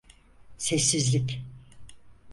Sessizlik!